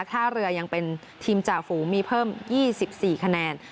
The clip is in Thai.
ท่าเรือยังเป็นทีมจ่าฝูงมีเพิ่ม๒๔คะแนน